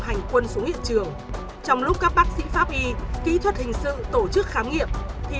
hành quân xuống hiện trường trong lúc các bác sĩ pháp y kỹ thuật hình sự tổ chức khám nghiệm thì